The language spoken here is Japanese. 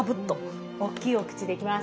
おっきいお口でいきます。